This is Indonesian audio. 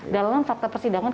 dalam fakta persidangan kemarin